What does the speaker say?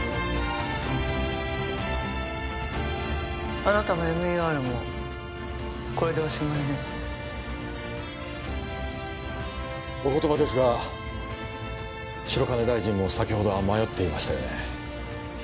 あなたもＭＥＲもこれでおしまいねお言葉ですが白金大臣も先ほどは迷っていましたよね